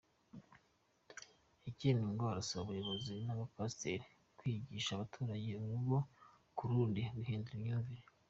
Ikindi ngo azasaba abayobozi n’abapasiteri kwigisha abaturage urugo kurundi guhindura imyumvire.